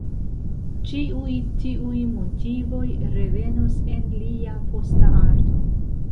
Ĉiuj tiuj motivoj revenos en lia posta arto.